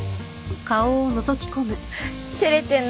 照れてるの？